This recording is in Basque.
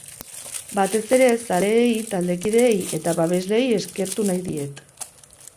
Batez ere, zaleei, taldekideei, eta babeslei eskertu nahi diet.